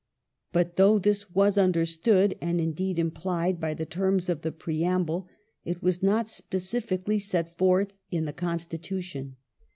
But though this was understood, and indeed implied by the terms of the preamble, it was not specifically set forth in the Constitution.